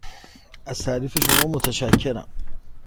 از تعریف شما متشکرم.